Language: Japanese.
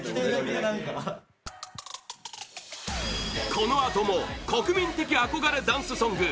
このあとも国民的憧れダンスソング！